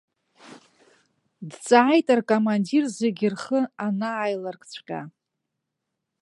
Дҵааит ркомандир зегьы рхы анааиларкҵәҟьа.